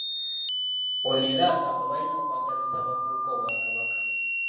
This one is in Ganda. Ono era agamba balina okwagazisa abavubuka Obwakabaka